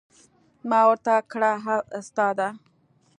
ما ورته کړه استاده.